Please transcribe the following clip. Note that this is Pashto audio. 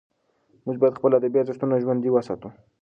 موږ باید خپل ادبي ارزښتونه ژوندي وساتو.